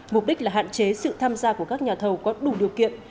mục đích là hạn chế sự tham gia của các nhà thầu có đủ điều kiện